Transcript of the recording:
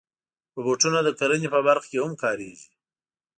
روبوټونه د کرنې په برخه کې هم کارېږي.